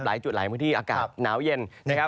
หลายจุดหลายพื้นที่อากาศหนาวเย็นนะครับ